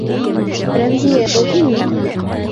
Рәмзиә, был һинме?